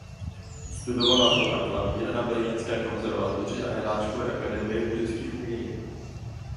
Studovala hru na klavír na Brněnské konzervatoři a Janáčkově akademii múzických umění.